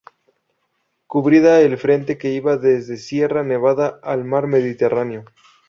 Cubría el frente que iba desde Sierra Nevada al mar Mediterráneo.